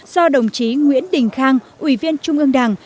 do đồng chí nguyễn đình khang ủy viên trung ương đảng